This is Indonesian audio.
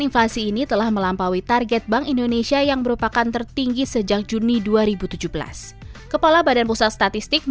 masa ini melampaui target bank indonesia yang merupakan tertinggi sejak juni dua ribu tujuh belas